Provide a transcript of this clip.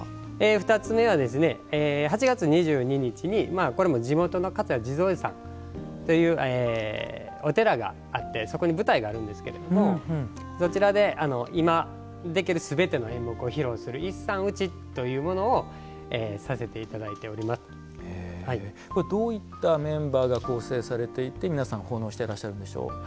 ２つ目は、８月２２日にこれも地元の桂地蔵寺さんというお寺があってそこに舞台があるんですけれどもそちらで今できるすべての演目を披露する一山打ちというものをどういったメンバーが構成されていて皆さん奉納していらっしゃるんでしょう。